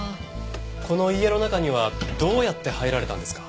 この家の中にはどうやって入られたんですか？